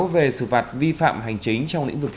về xử phạt vi phạm hành chính trong lĩnh vực